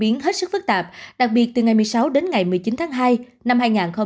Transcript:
biến hết sức phức tạp đặc biệt từ ngày một mươi sáu đến ngày một mươi chín tháng hai năm hai nghìn hai mươi